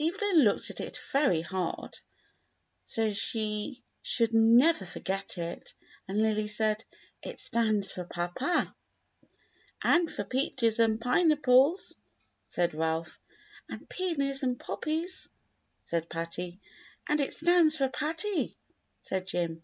Evelyn looked at it very hard, so she should never forget it, and Lily said, "It stands for papa." "And for peaches and pineapples," said Ralph. "And peonies and poppies," said Patty. "And it stands for Patty," said Jim.